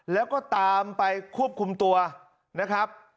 แล้วก็ตามไปควบคุมตัวนะครับ